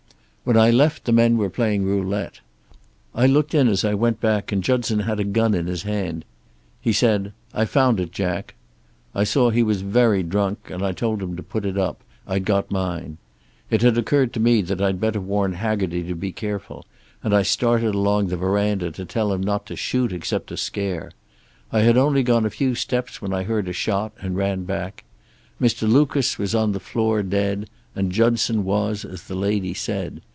"When I left the men were playing roulette. I looked in as I went back, and Judson had a gun in his hand. He said; 'I found it, Jack.' I saw he was very drunk, and I told him to put it up, I'd got mine. It had occurred to me that I'd better warn Haggerty to be careful, and I started along the verandah to tell him not to shoot except to scare. I had only gone a few steps when I heard a shot, and ran back. Mr. Lucas was on the floor dead, and Judson was as the lady said.